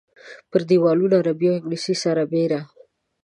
پر دیوالونو عربي او انګلیسي سربېره.